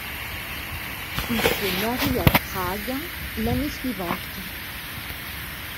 Ils se marient à Prague, l'année suivante.